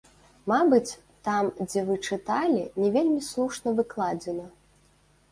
Мабыць, там, дзе вы чыталі, не вельмі слушна выкладзена.